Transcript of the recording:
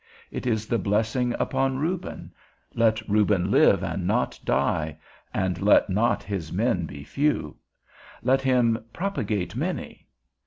It is the blessing upon Reuben, Let Reuben live, and not die, and let not his men be few; let him propagate many.